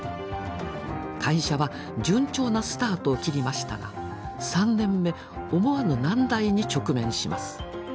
会社は順調なスタートを切りましたが３年目思わぬ難題に直面します。